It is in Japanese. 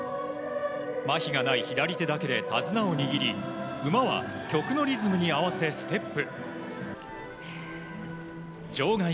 まひがない左手だけで手綱を握り馬は曲のリズムに合わせステップ。